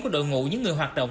của đội ngũ những người hoạt động